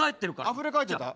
あふれかえっちゃった？